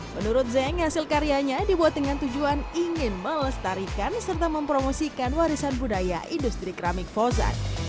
menurut zeng hasil karyanya dibuat dengan tujuan ingin melestarikan serta mempromosikan warisan budaya industri keramik fozat